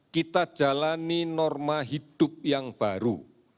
kita jalani norma hidup yang baru